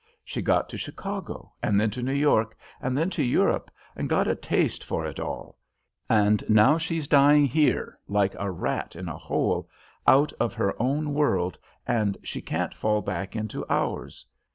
She got to Chicago, and then to New York, and then to Europe, and got a taste for it all; and now she's dying here like a rat in a hole, out of her own world, and she can't fall back into ours.